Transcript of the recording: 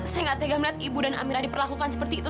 saya gak tega melihat ibu dan amira diperlakukan seperti itu